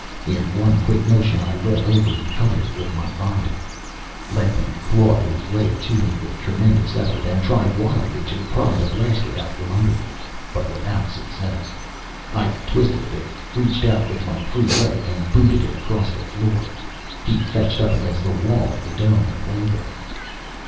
In one quick motion I rolled over and covered it with my body. Ledman clawed his way to me with tremendous effort and tried wildly to pry the blaster out from under me, but without success. I twisted a bit, reached out with my free leg, and booted him across the floor. He fetched up against the wall of the Dome and lay there.